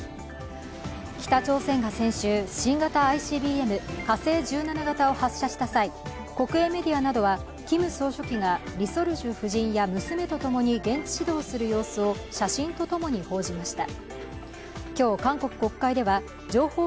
北朝鮮が先週新型ＩＣＢＭ火星１７型を発射した際国営メディアなどはキム総書記がリ・ソルジュ夫人や娘と共に現地指導する様子を写真と共に報じました。